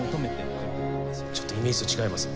ちょっとイメージと違います